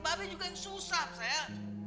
babi juga yang susah cel